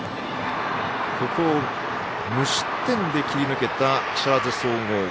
ここを無失点で切り抜けた木更津総合。